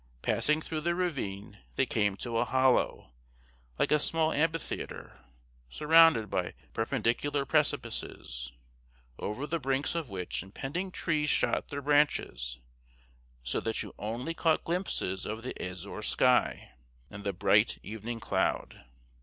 Passing through the ravine, they came to a hollow, like a small amphitheatre, surrounded by perpendicular precipices, over the brinks of which impending trees shot their branches, so that you only caught glimpses of the azure sky, and the bright evening cloud.